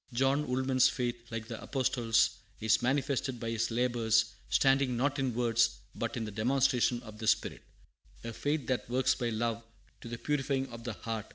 John Woolman's faith, like the Apostle's, is manifested by his labors, standing not in words but in the demonstration of the spirit, a faith that works by love to the purifying of the heart.